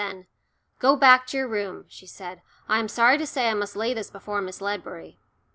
Then, "Go back to your room," she said. "I am sorry to say I must lay this before Miss Ledbury."